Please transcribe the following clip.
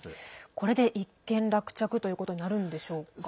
これで一件落着ということになるんでしょうか。